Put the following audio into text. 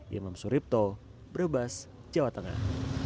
imam suripto brebes jawa tengah